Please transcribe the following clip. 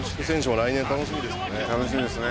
来年楽しみですよね」